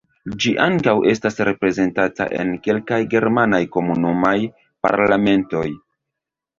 Ĝi ankaŭ estas reprezentata en kelkaj germanaj komunumaj parlamentoj.